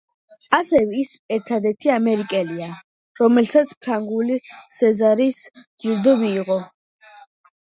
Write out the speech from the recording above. ასევე ის ერთადერთი ამერიკელია, რომელმაც ფრანგული სეზარის ჯილდო მიიღო.